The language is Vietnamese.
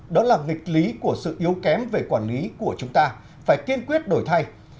đó là nghịch lý của sự yếu kém về quản lý của chúng ta phải kiên quyết đổi thay